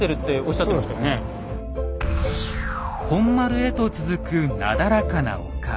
本丸へと続くなだらかな丘。